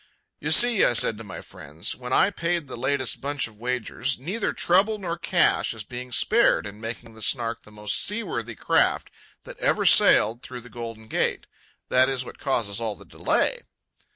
"You see," I said to my friends, when I paid the latest bunch of wagers, "neither trouble nor cash is being spared in making the Snark the most seaworthy craft that ever sailed out through the Golden Gate—that is what causes all the delay."